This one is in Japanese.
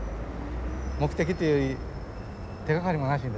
目的というより手がかりもなしにですね